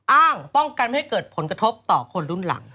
อ้างป้องกันไม่ให้เกิดผลกระทบต่อคนรุ่นหลัง